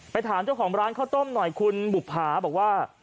ถามเจ้าของร้านข้าวต้มหน่อยคุณบุภาบอกว่า